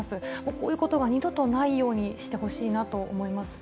こういうことが二度とないようにしてほしいなと思います。